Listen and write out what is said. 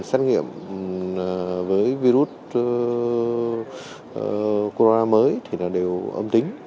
xét nghiệm với virus corona mới thì đều âm tính